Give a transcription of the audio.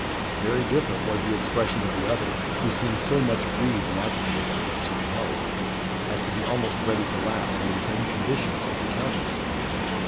Very different was the expression of the other, who seemed so much grieved and agitated by what she beheld, as to be almost ready to lapse into the same condition as the Countess.